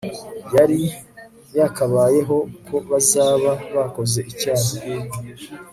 yari yakabayeho ko bazaba bakoze icyaha